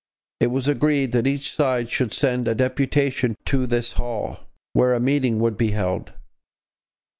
It was agreed that each side should send a deputation to this hall, where a meeting would be held.